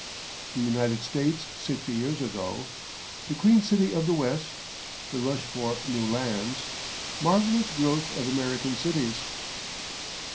The United States Sixty Years ago The "Queen City" of the West The Rush for New Lands Marvellous Growth of American Cities.